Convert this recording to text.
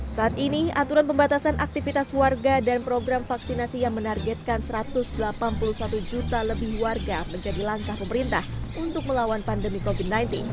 saat ini aturan pembatasan aktivitas warga dan program vaksinasi yang menargetkan satu ratus delapan puluh satu juta lebih warga menjadi langkah pemerintah untuk melawan pandemi covid sembilan belas